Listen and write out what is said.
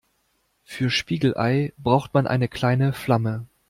Für Spiegelei braucht man eine kleine Flamme.